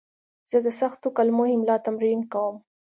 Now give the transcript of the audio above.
زه د سختو کلمو املا تمرین کوم.